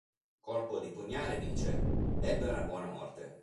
Colpo di Pugnale dice: “Ebbe una buona morte.”